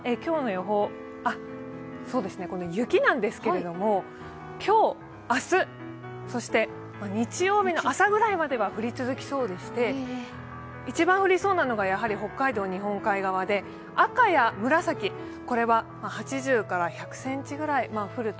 この雪なんですけれども、今日、明日、そして日曜日の朝くらいまでは降り続きそうでして一番降りそうなのが北海道日本海側で赤や紫は８０１００ｃｍぐらい降ると。